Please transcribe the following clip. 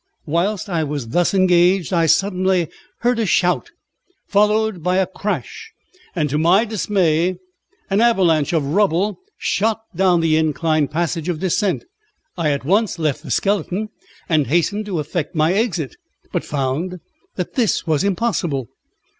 Whilst I was thus engaged, I suddenly heard a shout, followed by a crash, and, to my dismay, an avalanche of rubble shot down the inclined passage of descent. I at once left the skeleton, and hastened to effect my exit, but found that this was impossible.